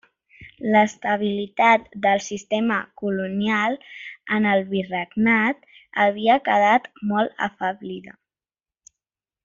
L'estabilitat del sistema colonial en el virregnat havia quedat molt afeblida.